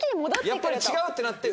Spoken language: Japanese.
やっぱり違うってなって。